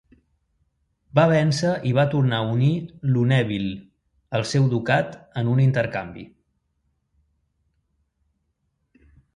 Va vèncer i va tornar a unir Lunéville al seu ducat en un intercanvi.